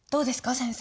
先生。